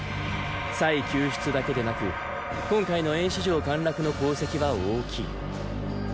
救出だけでなく今回の衍氏城陥落の功績は大きい。